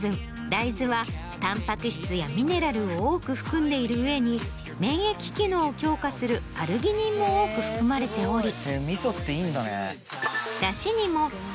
大豆はタンパク質やミネラルを多く含んでいる上に免疫機能を強化するアルギニンも多く含まれており。